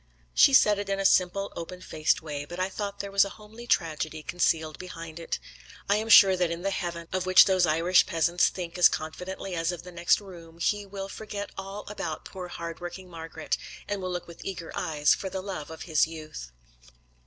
She said it in a simple, open faced way, but I thought there was a homely tragedy concealed behind it. I am sure that in the heaven, of which those Irish peasants think as confidently as of the next room, he will forget all about poor hard working Margaret, and will look with eager eyes for the love of his youth.